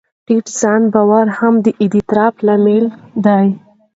ټیټ ځان باور هم د اضطراب لامل دی.